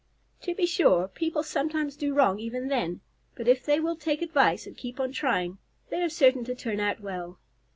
To be sure, people sometimes do wrong even then, but if they will take advice and keep on trying they are certain to turn out well.